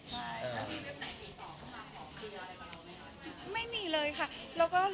ช่ามเมียต้องเลี่ยงอะไรด้วย